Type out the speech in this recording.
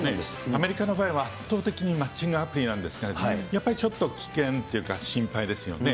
アメリカの場合は圧倒的にマッチングアプリなんですが、やっぱりちょっと危険っていうか、心配ですよね。